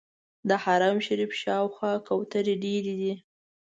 د حرم شریف شاوخوا کوترې ډېرې دي.